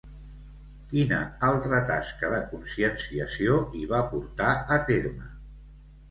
Quina altra tasca de conscienciació hi va portar a terme?